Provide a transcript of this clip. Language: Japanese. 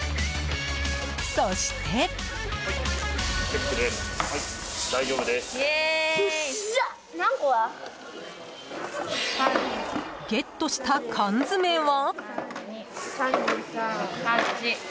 そして。ゲットした缶詰は？